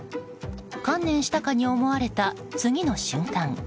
観念したかに思われた次の瞬間。